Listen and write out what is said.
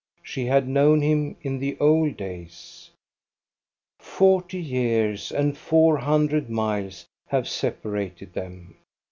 She had known him in the old days. Forty years and four hundred miles have separated them.